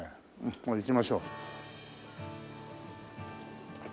これ行きましょう。